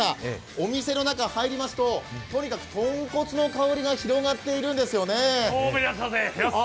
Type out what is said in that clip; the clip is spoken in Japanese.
お店の中、入りますと、とにかく豚骨の香りが広がっているんですよね。